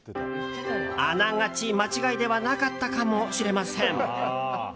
あながち間違いではなかったかもしれません。